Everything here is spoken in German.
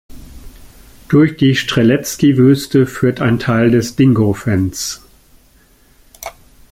Durch die Strzelecki-Wüste führt ein Teil des Dingo Fence.